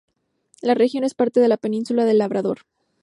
La región es parte de la península del Labrador.